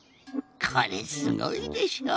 これすごいでしょ。